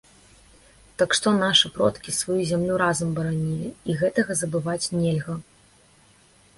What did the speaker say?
Так што нашы продкі сваю зямлю разам баранілі, і гэтага забываць нельга.